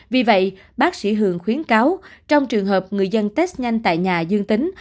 vì vậy bác sĩ hường khuyến cáo trong trường hợp người dân test nhanh tại nhà dương tính